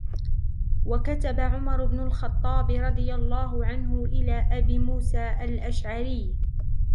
وَكَتَبَ عُمَرُ بْنُ الْخَطَّابِ رَضِيَ اللَّهُ عَنْهُ إلَى أَبِي مُوسَى الْأَشْعَرِيِّ